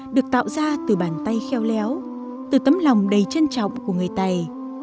được tạo ra từ bàn tay kheo léo từ tấm lòng đầy trân trọng của người tài